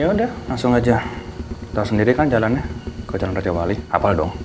ya udah langsung aja kita sendiri kan jalannya ke jalan raya wali hafal dong